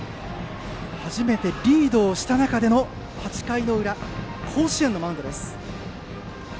初めてリードをした中での８回の裏、甲子園のマウンドです。